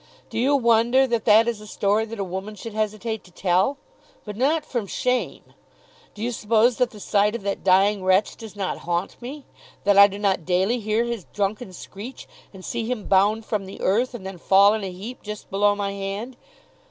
"Do you wonder that that is a story that a woman should hesitate to tell? But not from shame. Do you suppose that the sight of that dying wretch does not haunt me? that I do not daily hear his drunken screech, and see him bound from the earth, and then fall in a heap just below my hand?